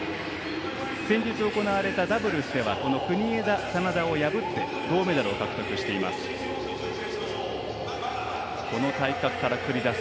先日行われたダブルスでは国枝、眞田を破って銅メダルを獲得しています。